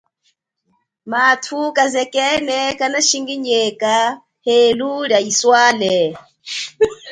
Mathu kazekene kanashinginyeka helu lia iswale.